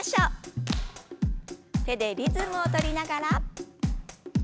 手でリズムを取りながら。